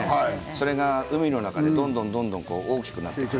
それが海の中でどんどんどんどん大きくなってきます。